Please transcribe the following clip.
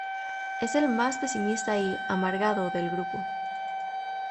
Es el más pesimista y "amargado" del grupo.